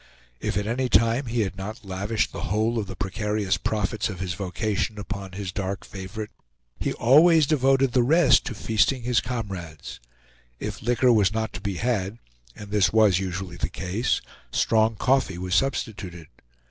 If at any time he had not lavished the whole of the precarious profits of his vocation upon his dark favorite, he always devoted the rest to feasting his comrades. If liquor was not to be had and this was usually the case strong coffee was substituted.